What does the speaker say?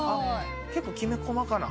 結構きめ細かな。